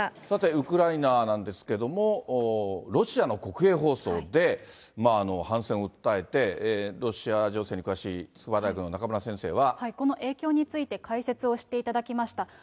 さて、ウクライナなんですけれども、ロシアの国営放送で、反戦を訴えて、ロシア情勢に詳しい筑波大学の中村先生は。この影響について、解説をしていただきました。